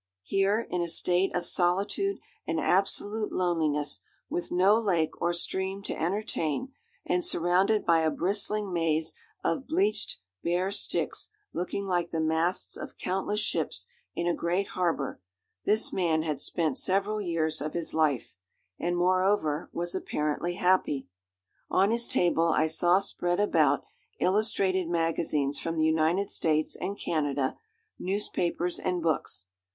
Here, in a state of solitude and absolute loneliness, with no lake or stream to entertain, and surrounded by a bristling maze of bleached bare sticks looking like the masts of countless ships in a great harbor, this man had spent several years of his life, and, moreover, was apparently happy. On his table I saw spread about illustrated magazines from the United States and Canada, newspapers, and books.